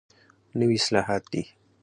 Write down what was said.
نوي اصطلاحات دي.